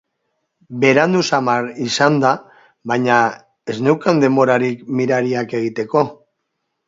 Berandu samar izan da, baina ez neukan denborarik mirariak egiteko.